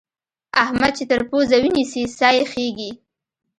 احمد چې تر پزه ونيسې؛ سا يې خېږي.